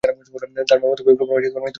তার মামাতো ভাই অক্টোবর মাসে মৃত্যুবরণ করে।